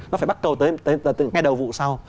nó phải bắt cầu tới ngay đầu vụ sau